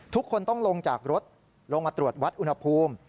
ทุกคนต้องลงจากรถลงมาตรวจวัดอุณหภูมิ